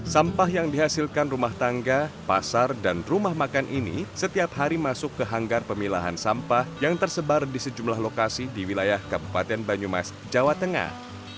sampah yang dihasilkan rumah tangga pasar dan rumah makan ini setiap hari masuk ke hanggar pemilahan sampah yang tersebar di sejumlah lokasi di wilayah kabupaten banyumas jawa tengah